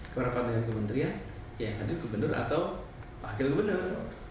berapa dengan kementerian ya ada gubernur atau wakil gubernur